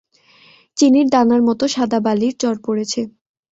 চিনির দানার মতো সাদা বালির চর পড়েছে।